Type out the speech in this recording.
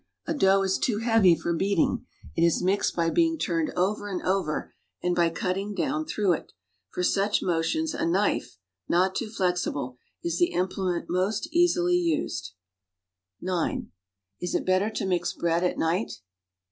A dough is too heavy for heating;; it is mixed by beiiiR turned over and over and by cutting down througli it; for such motions a knife — not too flexible — is the implement most easily used. (9) Is it better to mix bread at night?